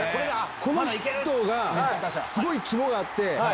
このヒットがすごい肝があって。